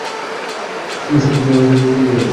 আমরা সবসময় বন্ধুই রবো।